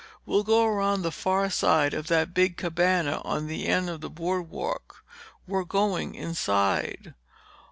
We'll go around the far side of that big cabana on the end of the boardwalk. We're going inside."